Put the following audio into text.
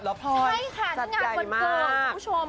ใช่ค่ะวันเกิดคุณผู้ชม